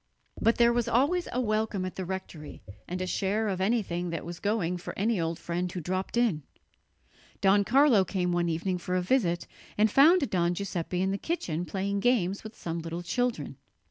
But there was always a welcome at the rectory and a share of anything that was going for any old friend who dropped in. Don Carlo came one evening for a visit, and found Don Giuseppe in the kitchen playing games with some little children.